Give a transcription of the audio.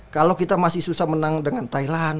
kalau kita masih susah menang dengan thailand